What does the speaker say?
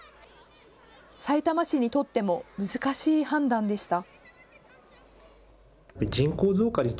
さいたま市にとっても難しい判断でした。